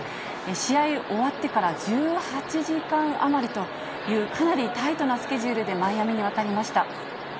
試合終わってから１８時間余りという、かなりタイトなスケジュールでマイアミに渡りました。